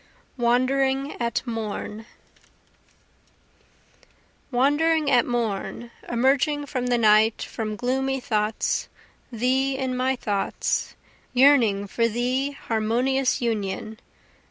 Wandering at Morn Wandering at morn, Emerging from the night from gloomy thoughts, thee in my thoughts, Yearning for thee harmonious Union!